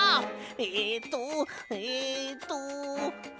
えっとえっと。